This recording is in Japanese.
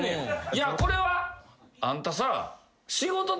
いやこれは？あんたさ。